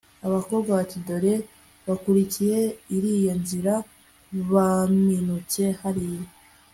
abakobwa bati 'dore bakurikiye iriya nzira, baminutse hariya